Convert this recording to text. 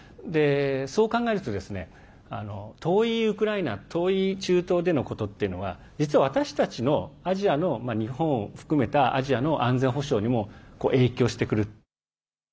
そう考えるとですね遠いウクライナ遠い中東でのことっていうのは実は、私たちのアジアの日本を含めたアジアの安全保障にも影響してくる。